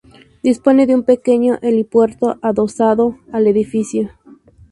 Dispone de un pequeño helipuerto adosado al edificio.